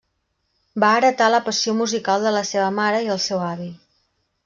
Va heretar la passió musical de la seva mare i el seu avi.